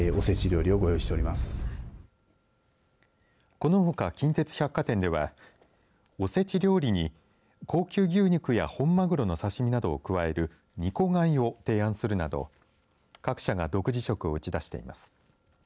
このほか近鉄百貨店ではおせち料理に高級牛肉や本マグロの刺身などを加える２個買いを提案するなど各社が独自色を打ち出しています。